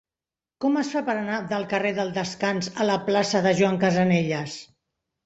Com es fa per anar del carrer del Descans a la plaça de Joan Casanelles?